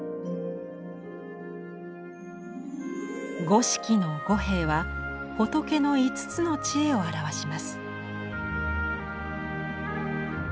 五色の御幣は仏の５つの智慧を表します。